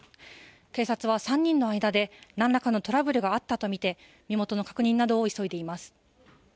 警察は、３人の間でなんらかのトラブルがあったとみて身元の確認などを急いでいます。